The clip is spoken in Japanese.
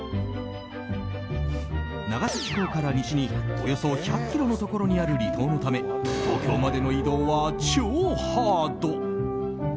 長崎港から西におよそ１００ｋｍのところにある離島のため東京までの移動は超ハード。